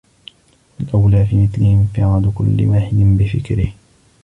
فَالْأَوْلَى فِي مِثْلِهِ انْفِرَادُ كُلِّ وَاحِدٍ بِفِكْرِهِ